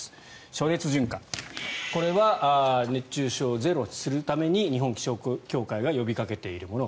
暑熱順化これは熱中症ゼロにするために日本気象協会が呼びかけているもの。